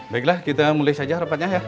baiklah kita mulai saja rapatnya ya